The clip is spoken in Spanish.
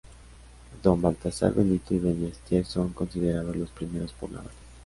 Don Baltasar Benito y doña Esther son considerados los primeros pobladores.